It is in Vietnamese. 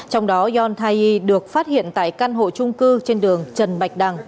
trong đó yon tai yi được phát hiện tại căn hộ trung cư trên đường trần bạch đằng